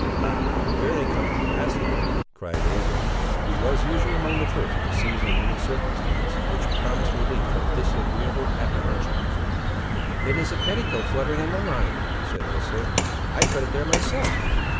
"Ah! there they come at last!" cried Abiram, who was usually among the first to seize on any circumstance which promised relief from disagreeable apprehensions. "It is a petticoat fluttering on the line," said Esther; "I put it there myself."